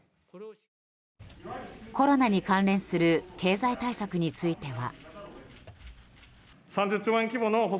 コロナに関連する経済対策については。